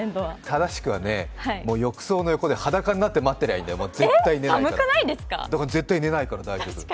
正しくはね、浴槽の横で裸になって待ってればいいんだよ絶対寝ないから大丈夫。